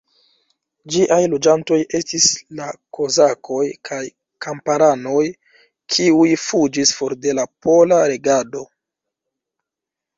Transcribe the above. Ĝiaj loĝantoj estis la kozakoj kaj kamparanoj, kiuj fuĝis for de la pola regado.